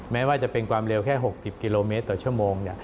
แม้ว่าจะเป็นความเร็วแค่๖๐กิโลเมตรต่อชั่วโมง